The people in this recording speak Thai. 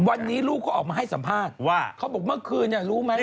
วันนี้ลูกก็ออกมาให้สัมภาษณ์ว่าเขาบอกเมื่อคืนเนี่ยรู้ไหม